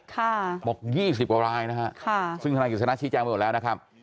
เบามากสิบกว่ารายนะคะค่ะซึ่งธนาคฤษณาชี้แจ้งไปหมดแล้วนะครับ